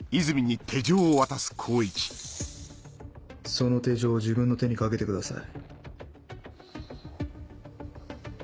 その手錠を自分の手にかけてください。